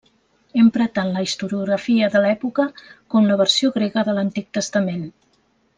Empra tant la historiografia de l’època com la versió grega de l’Antic Testament.